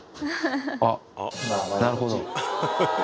あっなるほど。